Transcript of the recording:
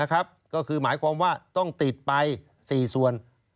ก็คือหมายความว่าต้องติดไป๔ส่วน